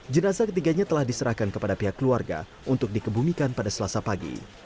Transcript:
jenazah ketiganya telah diserahkan kepada pihak keluarga untuk dikebumikan pada selasa pagi